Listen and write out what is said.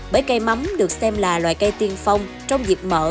bởi cây mắm được xem là loài cây tiên phong trong dịp mở